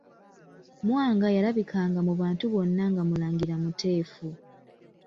Mwanga yalabikanga mu bantu bonna nga mulangira muteefu.